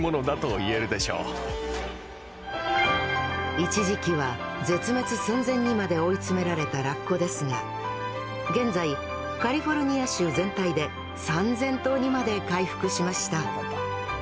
一時期は絶滅寸前にまで追い詰められたラッコですが現在カリフォルニア州全体で３，０００頭にまで回復しました。